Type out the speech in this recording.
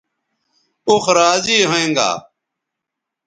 اوخ راضی ھوینگا